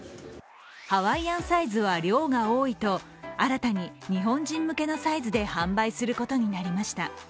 ハワイアンサイズは量が多いと新たに日本人向けのサイズで販売することになりました。